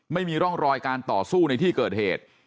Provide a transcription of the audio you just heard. ไม่มีร่องรอยการต่อสู้ในที่เกิดเหตุ